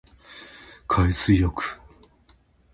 海水浴